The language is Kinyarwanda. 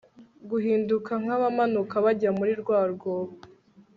guhinduka nk abamanuka bajya muri rwa rwobo